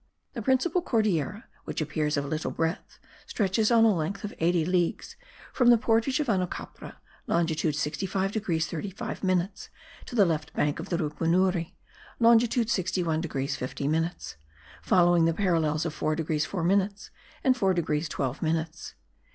The principal Cordillera, which appears of little breadth, stretches on a length of 80 leagues, from the portage of Anocapra (longitude 65 degrees 35 minutes) to the left bank of the Rupunuri (longitude 61 degrees 50 minutes), following the parallels of 4 degrees 4 minutes and 4 degrees 12 minutes.